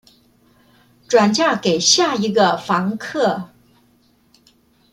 轉嫁給下一個房客